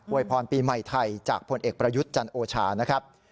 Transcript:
วยพรปีใหม่ไทยจากผลเอกประยุทธ์จันโอชานะครับ